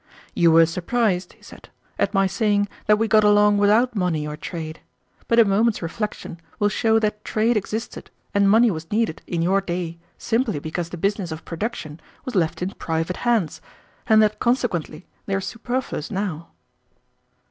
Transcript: "You were surprised," he said, "at my saying that we got along without money or trade, but a moment's reflection will show that trade existed and money was needed in your day simply because the business of production was left in private hands, and that, consequently, they are superfluous now."